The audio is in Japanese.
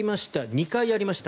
２回ありました。